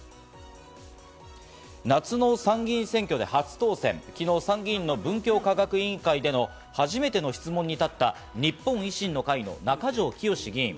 夏の参議院選挙で初当選、昨日、参議院の文教科学委員会での初めての質問に立った日本維新の会の中条きよし議員。